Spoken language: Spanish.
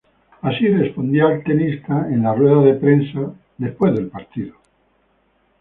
Así respondía el tenista en la rueda de prensa post-partido.